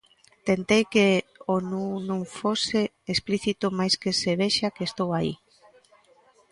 Tentei que o nu non fose explícito mais que se vexa que estou aí.